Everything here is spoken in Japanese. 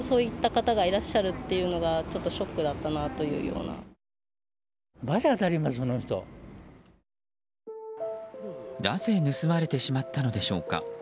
なぜ盗まれてしまったのでしょうか。